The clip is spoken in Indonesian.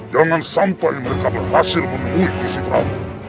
jangan sampai mereka berhasil menemui musti pragu